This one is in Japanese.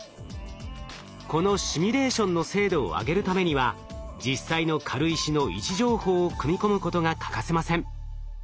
このシミュレーションの精度を上げるためには実際の軽石の位置情報を組み込むことが欠かせません。